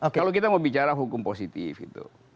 kalau kita mau bicara hukum positif itu